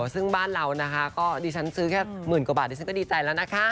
ซึ่งบ้านเรานะคะก็ดิฉันซื้อแค่หมื่นกว่าบาทดิฉันก็ดีใจแล้วนะคะ